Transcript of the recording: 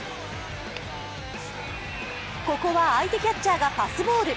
ここは相手キャッチャーがパスポール。